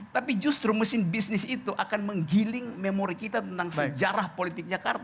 tapi justru mesin bisnis itu akan menggiling memori kita tentang sejarah politik jakarta